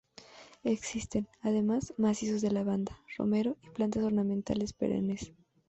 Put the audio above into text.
Existen además macizos de lavanda, romero y plantas ornamentales perennes.